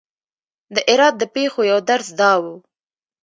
د عراق د پېښو یو درس دا و.